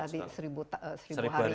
tadi seribu hari perang